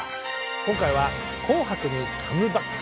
今回は「紅白」にカムバック！